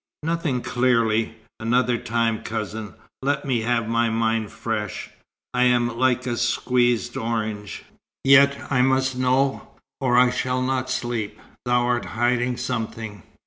"Nothing clearly. Another time, cousin. Let me have my mind fresh. I am like a squeezed orange." "Yet I must know, or I shall not sleep. Thou art hiding something."